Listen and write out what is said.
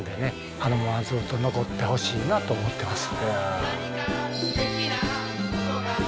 このままずっと残ってほしいなと思ってます。